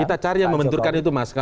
kita cari yang membenturkan itu mas